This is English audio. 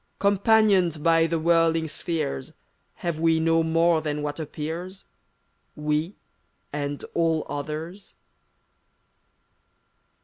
Companioned by the whirling spheres, Have we no more than what appears — We, and all others?